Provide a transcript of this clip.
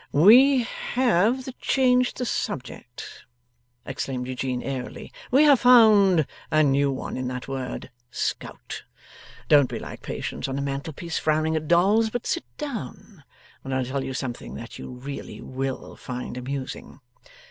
'We have changed the subject!' exclaimed Eugene, airily. 'We have found a new one in that word, scout. Don't be like Patience on a mantelpiece frowning at Dolls, but sit down, and I'll tell you something that you really will find amusing.